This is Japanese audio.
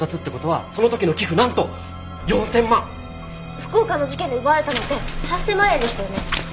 福岡の事件で奪われたのって８０００万円でしたよね。